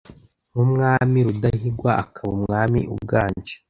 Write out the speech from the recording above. nk'umwami rudahigwa akaba umwami uganje